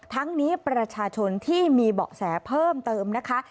ทั้งนี้ประชาชนที่มีเบาะแสเพิ่มเติมนะคะ